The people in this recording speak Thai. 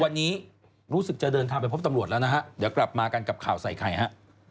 วันนี้รู้สึกจะเดินทางไปพบตำรวจแล้วนะฮะเดี๋ยวกลับมากันกับข่าวใส่ไข่ฮะ